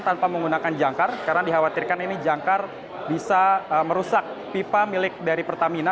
tanpa menggunakan jangkar karena dikhawatirkan ini jangkar bisa merusak pipa milik dari pertamina